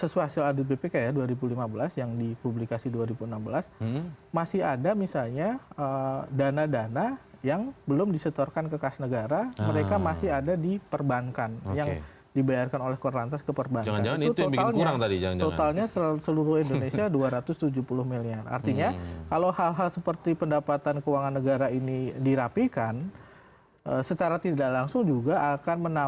sampai jumpa di video selanjutnya